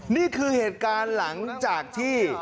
นี่คือเหตุการณ์หลังจากที่